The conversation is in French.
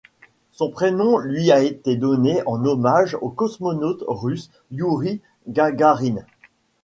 Son prénom lui a été donné en hommage au cosmonaute russe Youri Gagarine.